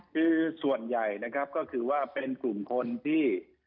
คือส่วนใหญ่นะครับก็คือว่าเป็นกลุ่มคนที่